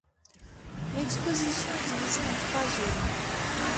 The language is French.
L'exposition est divisée en trois zones.